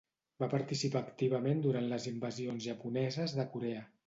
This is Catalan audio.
Va participar activament durant les invasions japoneses de Corea.